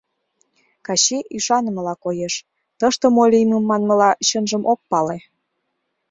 Качий ӱшанымыла коеш — тыште мо лиймым, манмыла, чынжым ок пале.